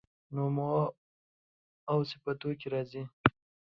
نومواوصفتوکي راځي